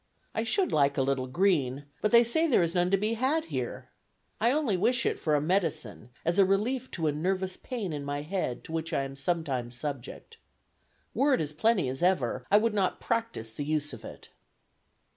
I should like a little green, but they say there is none to be had here. I only wish it for a medicine, as a relief to a nervous pain in my head to which I am sometimes subject. Were it as plenty as ever, I would not practice the use of it."